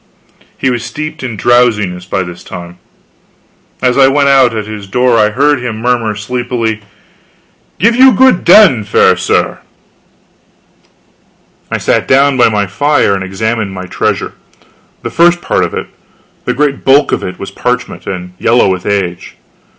He was steeped in drowsiness by this time. As I went out at his door I heard him murmur sleepily: "Give you good den, fair sir." I sat down by my fire and examined my treasure. The first part of it the great bulk of it was parchment, and yellow with age.